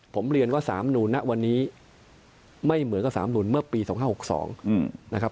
ผมเรียนว่าสามนูนณวันนี้ไม่เหมือนกับสามนุนเมื่อปี๒๕๖๒นะครับ